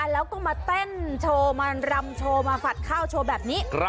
แล้วก็มาเต้นโชว์มารำโชว์มาฝัดข้าวโชว์แบบนี้